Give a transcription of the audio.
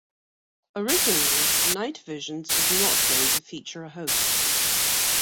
Originally, "Night Visions" was not going to feature a host.